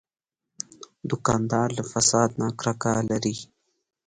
دوکاندار له فساد نه کرکه لري.